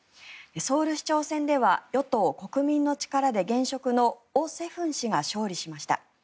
ソウル市長選では与党・国民の力で現職のオ・セフン氏が勝利しました。